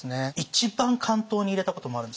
一番巻頭に入れたこともあるんですよ。